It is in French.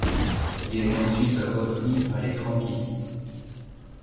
Il est ensuite repris par les franquistes.